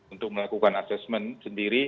untuk melakukan assessment sendiri